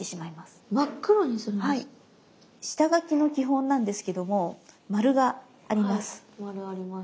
下書きの基本なんですけども丸があります。